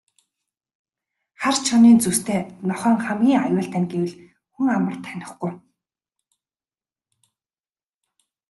Хар чонын зүстэй нохойн хамгийн аюултай нь гэвэл хүн амар танихгүй.